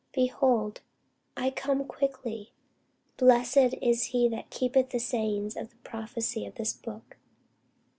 Behold, I come quickly: blessed is he that keepeth the sayings of the prophecy of this book.